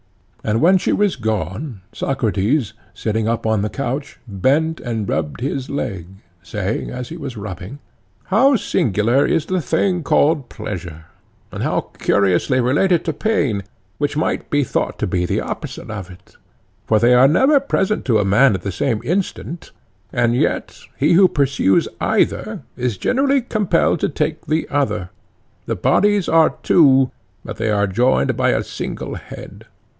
And when she was gone, Socrates, sitting up on the couch, bent and rubbed his leg, saying, as he was rubbing: How singular is the thing called pleasure, and how curiously related to pain, which might be thought to be the opposite of it; for they are never present to a man at the same instant, and yet he who pursues either is generally compelled to take the other; their bodies are two, but they are joined by a single head.